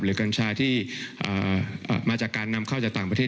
กัญชาที่มาจากการนำเข้าจากต่างประเทศ